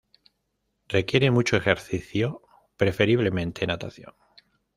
Requiere mucho ejercicio, preferiblemente natación.